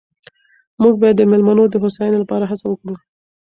موږ باید د مېلمنو د هوساینې لپاره هڅه وکړو.